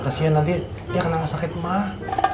kesian nanti dia kena sakit mah